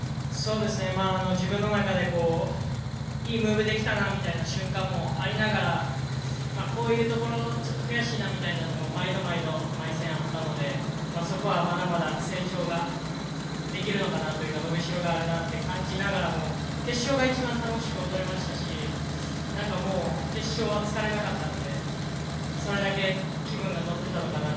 自分の中でいいムーブができたなみたいな瞬間もありながらこういうところちょっと悔しいなみたいなのも毎度毎度毎戦あったのでそこは、まだまだ成長ができるのかなというか伸びしろがあるなと感じながらも決勝が一番楽しく踊れましたし決勝は疲れなかったのでそれだけ気分が乗ってたのかなと。